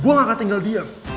gue gak akan tinggal diam